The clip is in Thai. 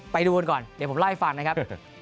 ไปดูกันก่อนเดี๋ยวผมเล่าให้ฟังนะครับ